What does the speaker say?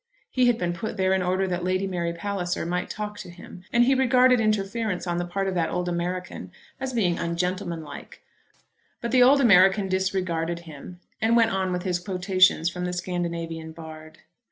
He had been put there in order that Lady Mary Palliser might talk to him, and he regarded interference on the part of that old American as being ungentlemanlike. But the old American disregarded him, and went on with his quotations from the Scandinavian bard.